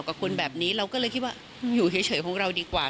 กับคนแบบนี้เราก็เลยคิดว่าอยู่เฉยของเราดีกว่า